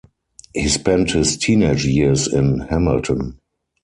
He spent his teenage years in Hamilton.